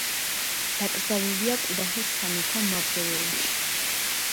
დაკრძალულია კედაჰის სამეფო მავზოლეუმში.